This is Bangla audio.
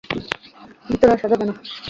ভিতরে আসা যাবে না!